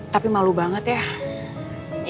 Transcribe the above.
tapi malu banget ya